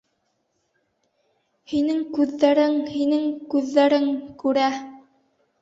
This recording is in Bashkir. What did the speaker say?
Һинең күҙҙәрең, һинең күҙҙәрең... күрә.